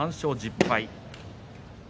３勝１０敗です。